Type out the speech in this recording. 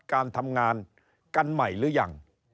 การทำงานกันใหม่หรือยัง